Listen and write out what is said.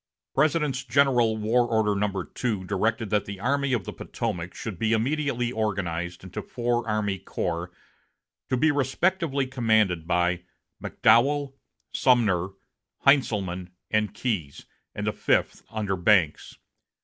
President's General War Order No. 2 directed that the Army of the Potomac should be immediately organized into four army corps, to be respectively commanded by McDowell, Sumner, Heintzelman, and Keyes, and a fifth under Banks.